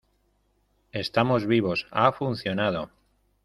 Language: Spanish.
estamos vivos. ha funcionado .